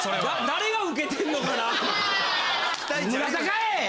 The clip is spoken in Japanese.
誰が受けてんのかな。